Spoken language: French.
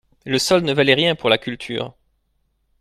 Le sol ne valait rien pour la culture.